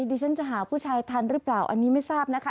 ดิฉันจะหาผู้ชายทันหรือเปล่าอันนี้ไม่ทราบนะคะ